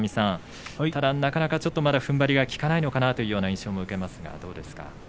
ただなかなかちょっとまだふんばりが効かないのかなという印象も受けますがどうですか。